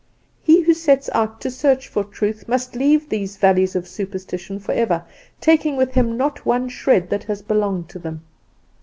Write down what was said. He who sets out to search for Truth must leave these valleys of superstition forever, taking with him not one shred that has belonged to them.